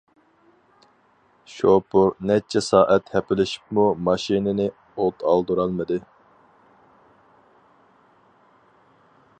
شوپۇر نەچچە سائەت ھەپىلىشىپمۇ ماشىنىنى ئوت ئالدۇرالمىدى.